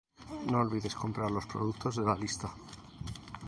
No olvides comprar los productos de la lista